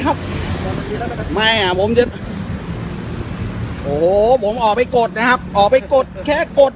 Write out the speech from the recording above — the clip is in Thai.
ครับไม่อ่ะผมจะโอ้โหผมออกไปกดนะครับออกไปกดแค่กด